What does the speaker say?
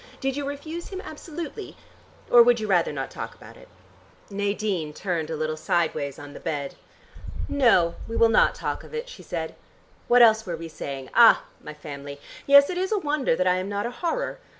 Did you refuse him absolutely? Or would you rather not talk about it?" Nadine turned a little sideways on the bed. "No, we will not talk of it," she said. "What else were we saying? Ah, my family! Yes, it is a wonder that I am not a horror.